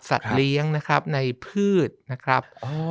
เลี้ยงนะครับในพืชนะครับ